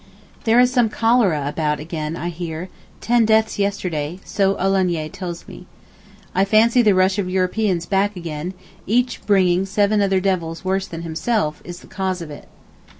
There is some cholera about again, I hear—ten deaths yesterday—so Olagnier tells me. I fancy the rush of Europeans back again, each bringing 'seven other devils worse than himself' is the cause of it.